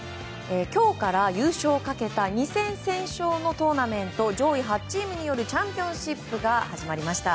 今日から優勝をかけた２戦先勝のトーナメント上位８チームによるチャンピオンシップが始まりました。